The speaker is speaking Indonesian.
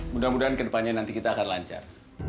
mudah mudahan ke depannya nanti kita akan lancar